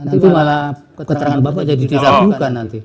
nanti itu malah keterangan bapak jadi tidak buka nanti